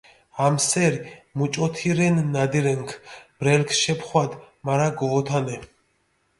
ამსერი მუჭოთირენ ნადირენქ ბრელქ შეფხვადჷ, მარა გუვოთანე.